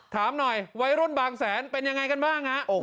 ถามหน่อยวัยรุ่นบางแสนเป็นยังไงกันบ้างฮะ